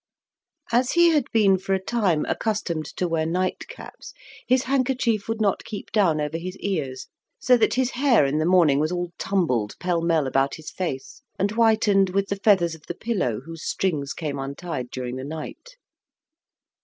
As he had been for a time accustomed to wear nightcaps, his handkerchief would not keep down over his ears, so that his hair in the morning was all tumbled pell mell about his face and whitened with the feathers of the pillow, whose strings came untied during the night.